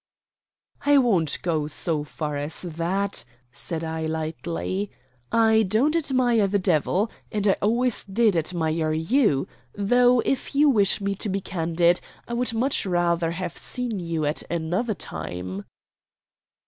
"I won't go so far as that," said I lightly. "I don't admire the devil, and I always did admire you, though, if you wish me to be candid, I would much rather have seen you at another time."